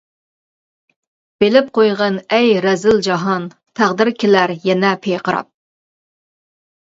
بىلىپ قويغىن ئەي رەزىل جاھان، تەقدىر كېلەر يەنە پىرقىراپ!